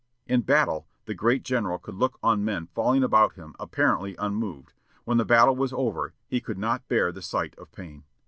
In battle, the great general could look on men falling about him apparently unmoved; when the battle was over, he could not bear the sight of pain.